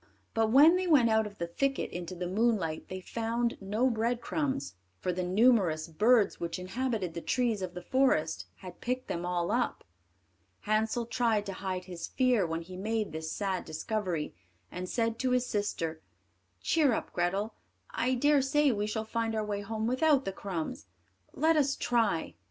But when they went out of the thicket into the moonlight they found no breadcrumbs, for the numerous birds which inhabited the trees of the forest had picked them all up. Hansel tried to hide his fear when he made this sad discovery, and said to his sister, "Cheer up, Grethel; I dare say we shall find our way home without the crumbs. Let us try."